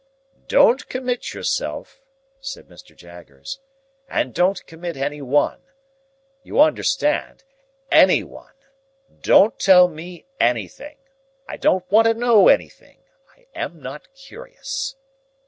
"Don't commit yourself," said Mr. Jaggers, "and don't commit any one. You understand—any one. Don't tell me anything: I don't want to know anything; I am not curious."